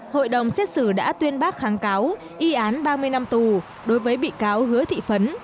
hội đồng xét xử đã tuyên bác kháng cáo y án ba mươi năm tù đối với bị cáo hứa thị phấn